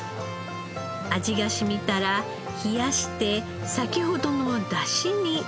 味がしみたら冷やして先ほどの出汁に浸します。